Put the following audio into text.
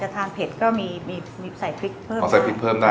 ถ้าเผ็ดก็จะใส่พริกเพิ่มได้